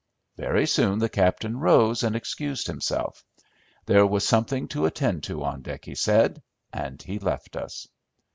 Very soon the captain rose and excused himself. There was something to attend to on deck, he said, and he left us.